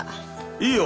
いいよ！